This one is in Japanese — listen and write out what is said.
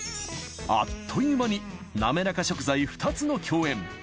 あっという間になめらか食材２つの共演